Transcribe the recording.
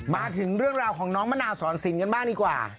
มาถึงเรื่องราวของน้องมะนาวสอนสินกันบ้างดีกว่า